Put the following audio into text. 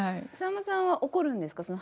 さんまさんは怒るんですか？